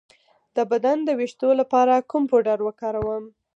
د بدن د ویښتو لپاره کوم پوډر وکاروم؟